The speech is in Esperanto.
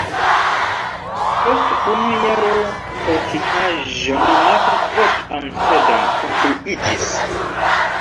Post unu jaro fortikaĵo nomata "Fort Amsterdam" konstruiĝis.